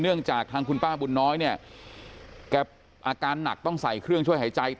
จากทางคุณป้าบุญน้อยเนี่ยแกอาการหนักต้องใส่เครื่องช่วยหายใจ